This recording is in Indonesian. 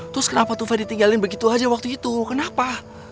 terus kenapa tufa ditinggalin begitu aja waktu itu kenapa